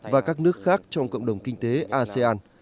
và các nước khác trong cộng đồng kinh tế asean